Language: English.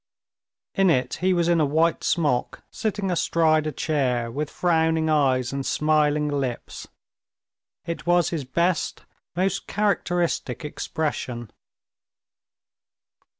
In it he was in a white smock, sitting astride a chair, with frowning eyes and smiling lips. It was his best, most characteristic expression.